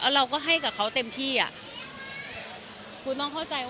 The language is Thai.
เราก็ให้กับเขาเต็มที่อ่ะ